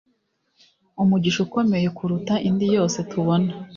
Umugisha ukomeye kuruta indi yose tubona